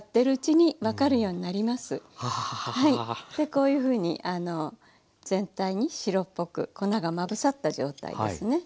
こういうふうに全体に白っぽく粉がまぶさった状態ですね。